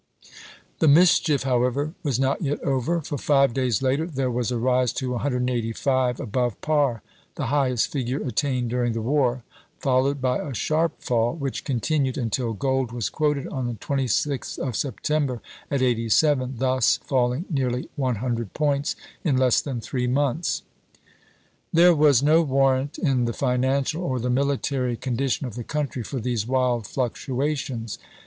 The mischief, however, was not yet over, for five days later there was a rise to 185 above par, — the highest figure attained during the war, — followed by a sharp fall, which continued until gold was quoted on the 26th of September at 87, thus falling nearly 100 points in less than three months. There was no warrant in the financial or the military condi tion of the country for these wild fluctuations.